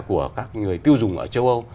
của các người tiêu dùng ở châu âu